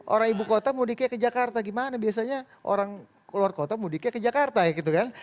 orang ibu kota mudiknya ke jakarta gimana biasanya orang keluar kota mudiknya ke jakarta ya gitu kan